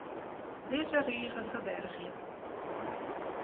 Dizze rige ferbergje.